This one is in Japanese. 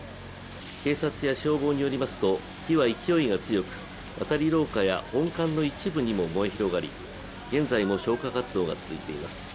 警察や消防によりますと火は勢いが強く、渡り廊下や本館の一部にも燃え広がり、現在も消火活動が続いています。